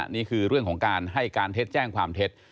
นี่คือเรื่องของการให้การเท็จแจ้งความเท็จ